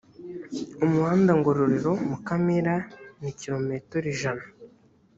umuhanda ngororero mukamira ni km ijana